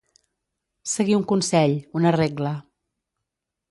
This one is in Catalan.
Seguir un consell, una regla.